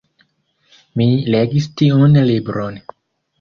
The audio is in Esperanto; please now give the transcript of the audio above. Mi legis tiun libron.